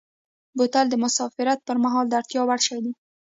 بوتل د مسافرت پر مهال د اړتیا وړ شی دی.